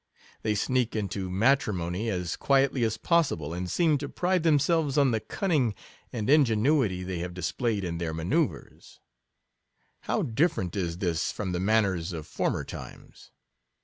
They sneak into matrimony as quiet ly as possible,, and seem to pride themselves on the cunning and ingenuity they have dis played in their manoeuvres. How different is this from the manners of former times